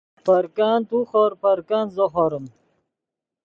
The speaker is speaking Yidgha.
پرکند تو خور پرکند زو خوریم